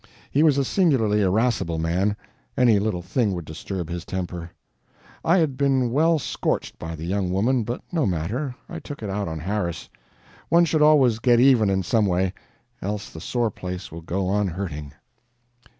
He was a singularly irascible man; any little thing would disturb his temper. I had been well scorched by the young woman, but no matter, I took it out on Harris. One should always "get even" in some way, else the sore place will go on hurting.